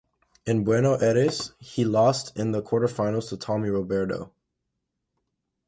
In Buenos Aires, he lost in the quarterfinals to Tommy Robredo.